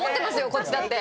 こっちだって。